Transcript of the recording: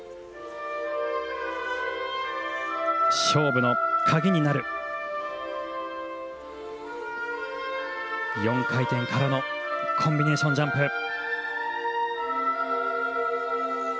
勝負の鍵になる４回転からのコンビネーションジャンプ。